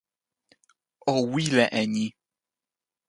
o wile e ni!